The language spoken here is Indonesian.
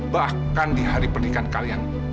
bahkan di hari pernikahan kalian